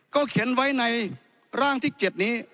เขียนไว้ในร่างที่๗นี้